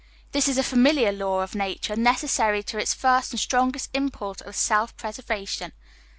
This is a familiar law of nature, necessary to its fii'st and strongest impulse of self preservation.